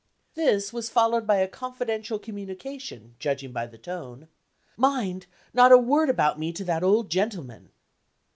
This was followed by a confidential communication, judging by the tone. "Mind! not a word about me to that old gentleman!"